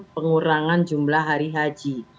pengurangan jumlah hari haji